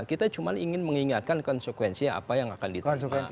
kita cuma ingin mengingatkan konsekuensi apa yang akan diterima